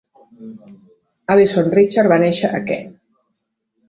Alison Richard va néixer a Kent.